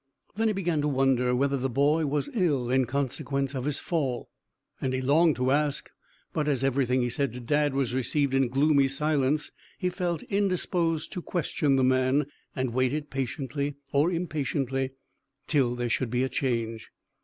Then he began to wonder whether the boy was ill in consequence of his fall, and he longed to ask, but, as everything he said to Dadd was received in gloomy silence, he felt indisposed to question the man, and waited, patiently or impatiently, till there should be a change.